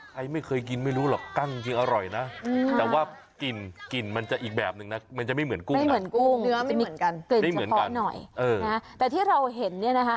ใครไม่เคยกินไม่รู้หรอกกล้างจริงอร่อยนะ